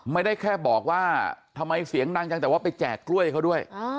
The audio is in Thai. ไม่ได้แค่บอกว่าทำไมเสียงดังจังแต่ว่าไปแจกกล้วยเขาด้วย